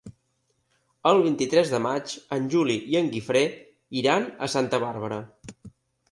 El vint-i-tres de maig en Juli i en Guifré iran a Santa Bàrbara.